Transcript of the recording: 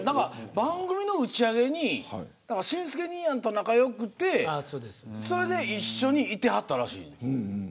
番組の打ち上げに紳助兄やんと仲が良くてそれで一緒にいてはったらしい。